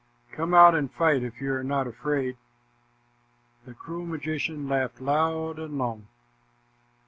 Come out and fight, if you are not afraid." The cruel magician laughed loud and long.